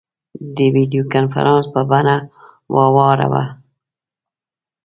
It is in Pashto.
د ویډیو کنفرانس په بڼه واوراوه.